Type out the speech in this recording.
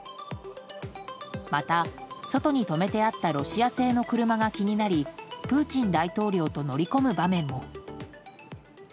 また、外に止めてあったロシア製の車が気になりプーチン大統領と乗り込む場面も。